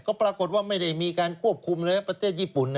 ก็ปรากฏว่าไม่ได้มีการควบคุมเลยประเทศญี่ปุ่น